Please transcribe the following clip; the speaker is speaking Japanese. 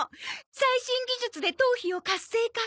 最新技術で頭皮を活性化。